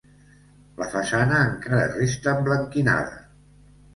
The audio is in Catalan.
La façana encara resta emblanquinada.